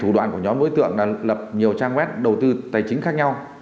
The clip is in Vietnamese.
thủ đoạn của nhóm đối tượng là lập nhiều trang web đầu tư tài chính khác nhau